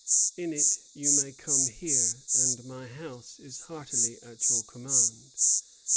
In it you may come here, and my house is heartily at your command.